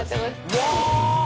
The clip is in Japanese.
うわ。